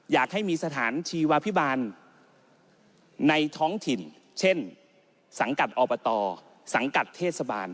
อยากให้มีสถานชีวพิบาลในท้องถิ่นเช่นสังกัดอบตสังกัดเทศบาล